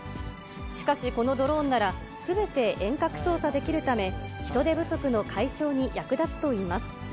しかし、このドローンならすべて遠隔操作できるため、人手不足の解消に役立つといいます。